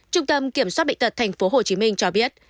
trung tâm kiểm soát bệnh tật tp hcm cho biết